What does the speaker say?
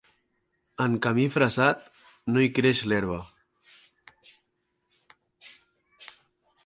En camí fressat no hi creix l'herba.